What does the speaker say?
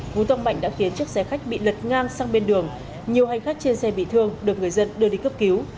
cú tông mạnh đã khiến chiếc xe khách bị lật ngang sang bên đường nhiều hành khách trên xe bị thương được người dân đưa đi cấp cứu